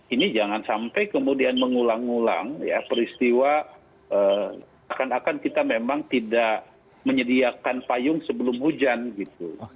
ini jangan sampai kemudian mengulang ulang ya peristiwa akan akan kita memang tidak menyediakan payung sebelum hujan gitu